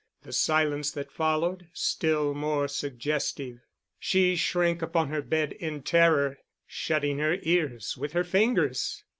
The silence that followed, still more suggestive. She shrank upon her bed in terror, shutting her ears with her fingers.